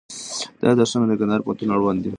دا درسونه د کندهار پوهنتون اړوند دي.